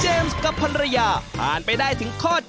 เจมส์กับภัณฑ์ระยะผ่านไปได้ถึงข้อ๗